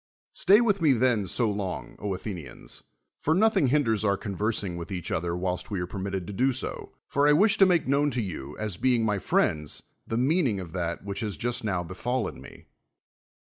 Stay vrith me then, so long, Athenians, for nothing h aiders our conversing vrith each other, whilst we are permitted to do so : for I wish to make known to you, as being my friends, the meaning of that which has just now befallen me.